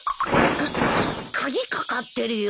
鍵掛かってるよ。